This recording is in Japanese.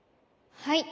はい。